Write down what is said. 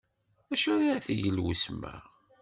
Acu ara d-teg lwesma?